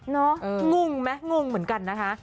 เนอะงุ่งไหมงุ่งเหมือนกันนะคะ